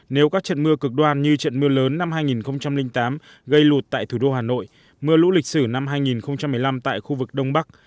nếu các trận mưa cực đoan như trận mưa lớn năm hai nghìn tám gây lụt tại thủ đô hà nội mưa lũ lịch sử năm hai nghìn một mươi năm tại khu vực đông bắc